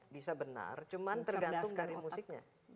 bisa benar cuma tergantung dari musiknya